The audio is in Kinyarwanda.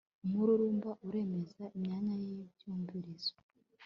umururumba uremaza imyanya y'ibyumvirizo